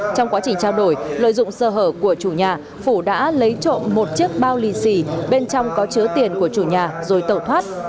trong quá trình trao đổi lợi dụng sơ hở của chủ nhà phủ đã lấy trộm một chiếc bao lì xì bên trong có chứa tiền của chủ nhà rồi tẩu thoát